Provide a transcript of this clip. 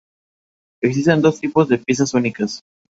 Existen dos tipos de piezas únicas.